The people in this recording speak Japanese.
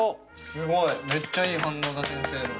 すごいめっちゃいい反応だ先生の。